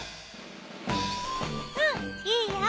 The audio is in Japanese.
うんいいよ！